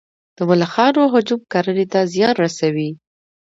د ملخانو هجوم کرنې ته زیان رسوي؟